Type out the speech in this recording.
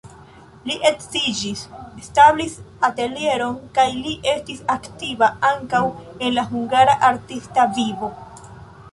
Li edziĝis, establis atelieron kaj li estis aktiva ankaŭ en la hungara artista vivo.